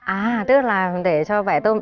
à tức là để cho bẻ tôm